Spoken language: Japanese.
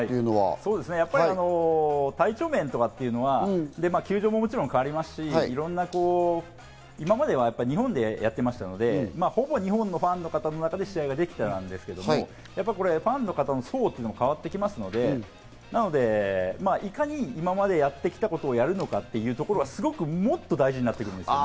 そうですね、体調面というのは球場ももちろん変わりますし、今までは日本でやってましたので、ほぼ日本のファンの中で試合が出来たわけですけど、ファンの方の層も変わりますので、いかに今までやってきたことをやれるかということがもっと大事になってきます。